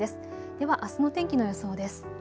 ではあすの天気の予想です。